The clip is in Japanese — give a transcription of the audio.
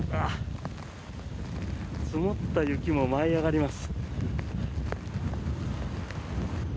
積もった雪も舞い上がります。